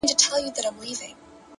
علم د عقل او شعور بنسټ دی،